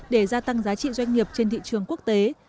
để gia tăng giá trị doanh nghiệp trên thị trường quốc tế